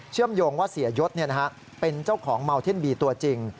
เชื่อมโยงว่าเสียยศเนี่ยนะฮะเป็นเจ้าของเมาเท่นบีตัวจริง